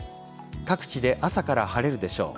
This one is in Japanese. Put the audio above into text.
各地で朝から晴れるでしょう。